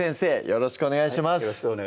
よろしくお願いします